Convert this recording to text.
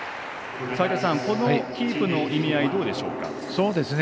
このキープの意味合いどうでしょうか。